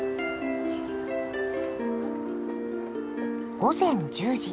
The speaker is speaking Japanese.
午前１０時。